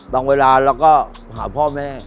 เวลาเราก็หาพ่อแม่